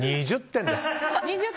２０点です。